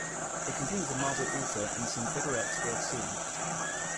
It contains a marble altar and some figurettes worth seeing.